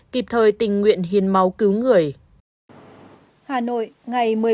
kịp thời tình nguyện hiên máu cứu người